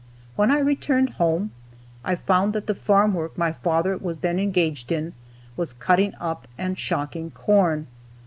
When I returned home I found that the farm work my father was then engaged in was cutting up and shocking corn.